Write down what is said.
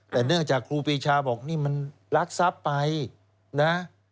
แต่เนื่องจากครูปีชาบอกนี่มันรักทรัพย์ไปนะ